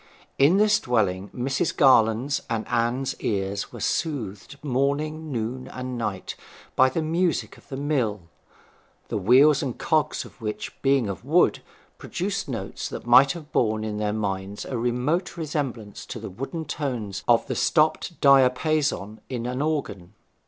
In this dwelling Mrs. Garland's and Anne's ears were soothed morning, noon, and night by the music of the mill, the wheels and cogs of which, being of wood, produced notes that might have borne in their minds a remote resemblance to the wooden tones of the stopped diapason in an organ.